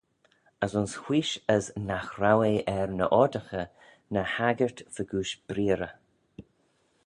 As ayns wheesh as nagh row eh er ny oardaghey ny haggyrt fegooish breearrey.